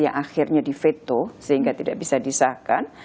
yang akhirnya diveto sehingga tidak bisa disahkan